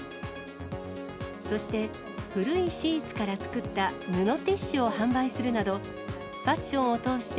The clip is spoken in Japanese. そして、古いシーツから作った布ティッシュを販売するなど、ファッションを通して、